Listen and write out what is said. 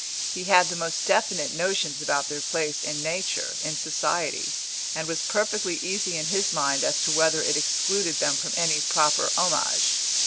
He had the most definite notions about their place in nature, in society, and was perfectly easy in his mind as to whether it excluded them from any proper homage.